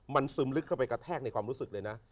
มันซึมลึกเข้าไปกระแทกในความรู้สึกเลยนะ